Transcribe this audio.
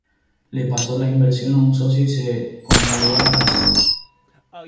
Le pasó la inversión a un socio y se consagró a la caza.